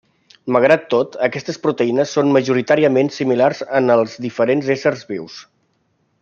Malgrat tot, aquestes proteïnes són majoritàriament similars en els diferents éssers vius.